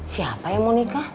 siapa yang mau nikah